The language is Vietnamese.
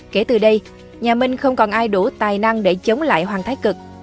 kể từ đây nhà minh không còn ai đủ tài năng để chống lại hoàng thái cực